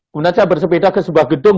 kemudian saya bersepeda ke sebuah gedung